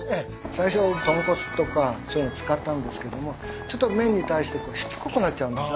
最初豚骨とかそういうの使ったんですけどもちょっと麺に対してしつこくなっちゃうんですよね。